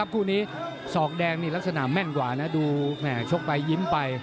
กู้นี้ศอกแดงลักษณะแม่นกว่าดูชกไปยิ้มไป